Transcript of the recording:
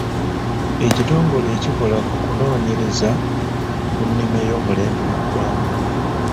Ekitongole ekikola ku kunoonyereza ku nnima oy’omulembe mu ggwanga.